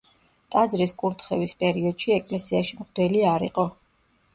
ტაძრის კურთხევის პერიოდში ეკლესიაში მღვდელი არ იყო.